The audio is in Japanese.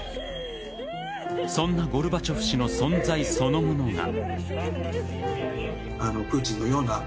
そんなゴルバチョフ氏の存在そのものが。